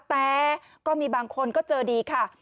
แต่ก็มีบางคนก็เจอดีค่ะ